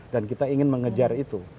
dan kita ingin mengejar itu